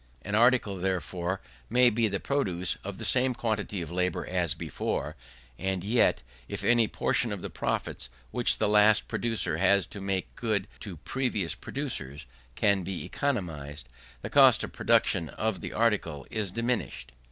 An article, therefore, may be the produce of the same quantity of labour as before, and yet, if any portion of the profits which the last producer has to make good to previous producers can be economized, the cost of production of the article is diminished.